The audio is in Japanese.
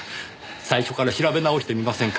最初から調べ直してみませんか？